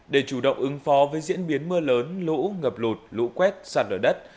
để chủ động ứng phó với diễn biến mưa lớn lũ ngập lụt lũ quét sạt lở đất